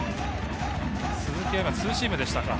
鈴木は今ツーシームでしたか。